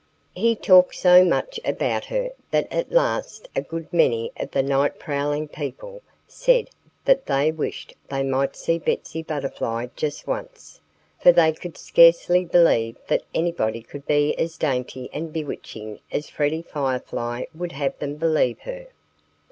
He talked so much about her that at last a good many of the night prowling people said that they wished they might see Betsy Butterfly just once, for they could scarcely believe that anybody could be as dainty and bewitching as Freddie Firefly would have them believe her.